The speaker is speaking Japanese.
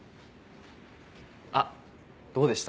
あっどうでした？